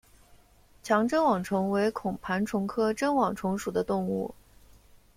强针网虫为孔盘虫科针网虫属的动物。